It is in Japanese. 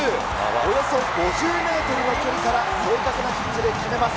およそ５０メートルの距離から正確なキックで決めます。